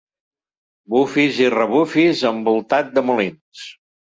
Bufis i rebufis envoltat de molins.